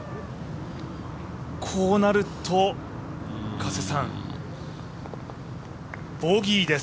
こうなると、加瀬さん、ボギ−です。